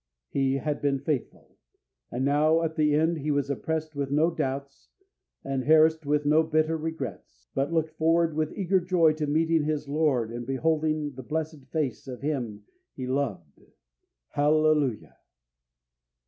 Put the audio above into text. He had been faithful, and now at the end he was oppressed with no doubts and harassed with no bitter regrets, but looked forward with eager joy to meeting his Lord and beholding the blessed face of Him he loved. Hallelujah!